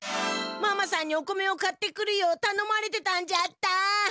ママさんにお米を買ってくるようたのまれてたんじゃった！